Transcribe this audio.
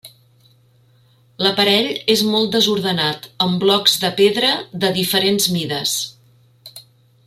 L'aparell és molt desordenat, amb blocs de pedra de diferents mides.